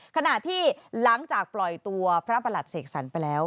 ขณะที่หลังจากปล่อยตัวพระประหลัดเสกสรรไปแล้ว